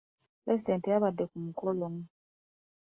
Pulezidenti teyabadde ku mukolo.